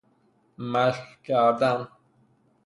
مشق کردن